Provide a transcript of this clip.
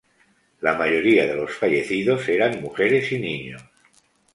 La mayoría de los fallecidos eran mujeres y niños.